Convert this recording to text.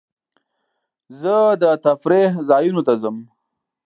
زه د تفریح ځایونو ته ځم.